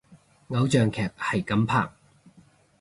偶像劇係噉拍！